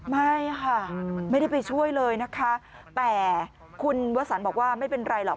ไม่ค่ะไม่ได้ไปช่วยเลยนะคะแต่คุณวสันบอกว่าไม่เป็นไรหรอก